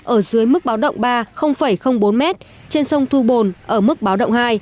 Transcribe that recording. ở dưới mức báo động ba bốn m trên sông thu bồn ở mức báo động hai